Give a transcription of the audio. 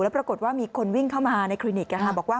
ปรากฏว่ามีคนวิ่งเข้ามาในคลินิกบอกว่า